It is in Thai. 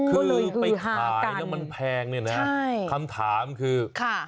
คือไปขายแล้วมันแพงเนี่ยนะคำถามคือ